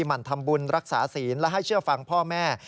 หมั่นทำบุญรักษาศีลและให้เชื่อฟังพ่อแม่